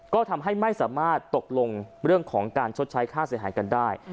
ก็ทำให้ไม่สามารถตกลงเรื่องของการชดใช้ค่าเสียหายกันได้